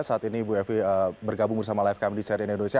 saat ini ibu evi bergabung bersama lifecame di seri indonesia